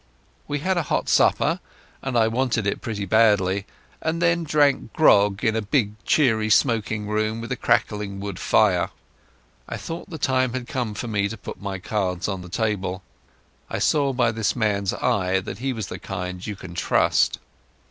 We had a hot supper—and I wanted it pretty badly—and then drank grog in a big cheery smoking room with a crackling wood fire. I thought the time had come for me to put my cards on the table. I saw by this man's eye that he was the kind you can trust.